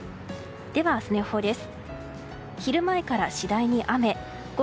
では、明日の予報です。